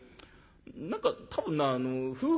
何か多分なあの夫婦